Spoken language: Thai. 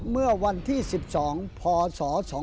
เมื่อวันที่๑๒พศ๒๕๖